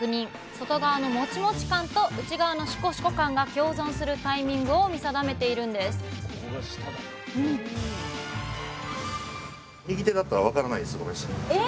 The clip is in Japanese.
外側のモチモチ感と内側のシコシコ感が共存するタイミングを見定めているんですえ